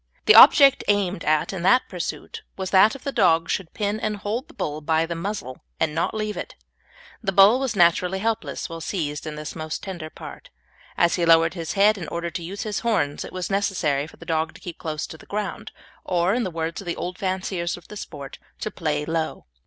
The object aimed at in that pursuit was that the dog should pin and hold the bull by the muzzle, and not leave it. The bull was naturally helpless when seized in his most tender part. As he lowered his head in order to use his horns it was necessary for the dog to keep close to the ground, or, in the words of the old fanciers of the sport, to "play low."